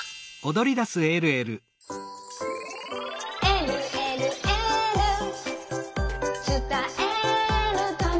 「えるえるエール」「つたえるために」